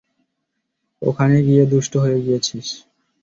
ওখানে গিয়ে দুষ্ট হয়ে গেছিস।